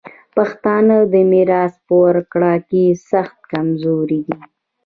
پښتانه د میراث په ورکړه کي سخت کمزوري دي.